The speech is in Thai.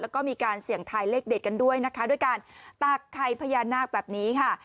แล้วก็มีการเสี่ยงทายเลขเด็ดกันด้วยนะคะด้วยการตากไข่พญานาคแบบนี้ค่ะ